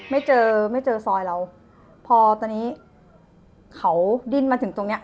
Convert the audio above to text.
ไม่เจอไม่เจอซอยเราพอตอนนี้เขาดิ้นมาถึงตรงเนี้ย